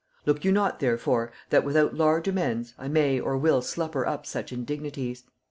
Look you not therefore that without large amends, I may or will slupper up such indignities.